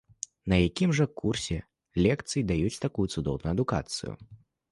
На якім жа курсе лекцый даюць такую цудоўную адукацыю?